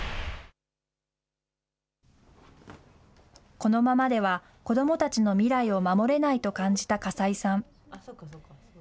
このままでは子どもたちの未来を守れないと感じた笠井さん。